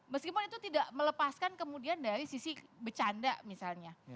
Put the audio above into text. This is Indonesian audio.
meskipun itu tidak melepaskan kemudian dari sisi becanda misalnya